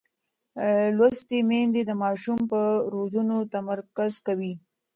لوستې میندې د ماشوم پر روزنه تمرکز کوي.